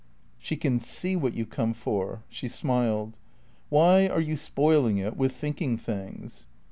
"She can see what you come for." She smiled. "Why are you spoiling it with thinking things?"